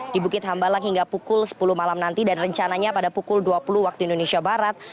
di bukit hambalang hingga pukul sepuluh malam nanti dan rencananya pada pukul dua puluh waktu indonesia barat